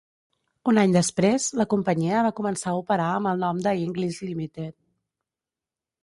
Un any després, la companyia va començar a operar amb el nom de Inglis Limited.